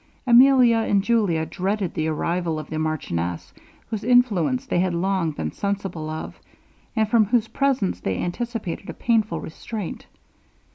Emilia and Julia dreaded the arrival of the marchioness, whose influence they had long been sensible of, and from whose presence they anticipated a painful restraint.